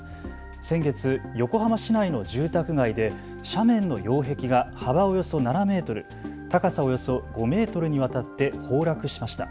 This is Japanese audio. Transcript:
先月、横浜市内の住宅街で斜面の擁壁が幅およそ７メートル高さおよそ５メートルにわたって崩落しました。